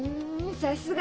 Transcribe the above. さすが！